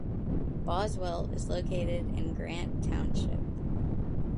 Boswell is located in Grant Township.